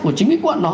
của chính cái quận đó